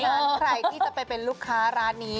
เพราะฉะนั้นใครที่จะไปเป็นลูกค้าร้านนี้